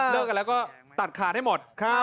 กันแล้วก็ตัดขาดให้หมด